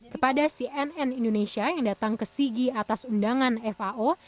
kepada cnn indonesia yang datang ke sigi atas undangan fao